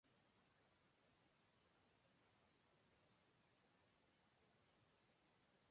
Al principio su música era más abrasiva y experimental.